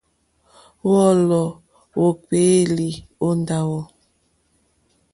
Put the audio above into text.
Wɔ́ɔ́lɔ̀ wókpéélì ó ndáwò.